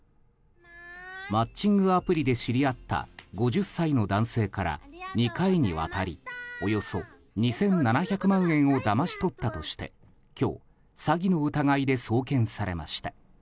マッチングアプリで知り合った５０歳の男性から２回にわたりおよそ２７００万円をだまし取ったとして今日、詐欺の疑いで送検されました。